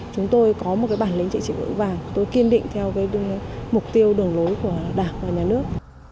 chúng tôi có một cái bản lĩnh chính trị vững vàng tôi kiên định theo mục tiêu đường lối của đảng và nhà nước